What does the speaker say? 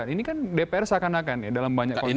ini kan dpr seakan akan ya dalam banyak konteks